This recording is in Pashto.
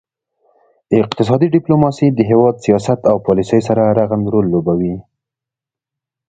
اقتصادي ډیپلوماسي د هیواد سیاست او پالیسي سره رغند رول لوبوي